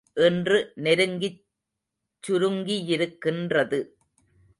இன்று நெருங்கிச் சுருங்கியிருக்கின்றது.